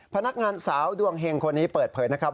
พนักงานสาวดวงเฮงคนนี้เปิดเผยนะครับ